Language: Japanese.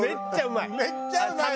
めっちゃうまい。